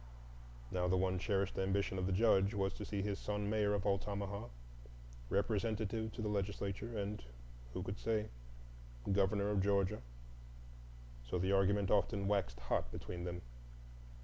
Now the one cherished ambition of the Judge was to see his son mayor of Altamaha, representative to the legislature, and—who could say?—governor of Georgia. So the argument often waxed hot between them.